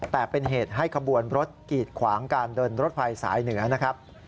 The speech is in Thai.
แต่เป็นเหตุให้ขบวนรถกีดขวางการเดินรถไฟสายเหนือนะครับ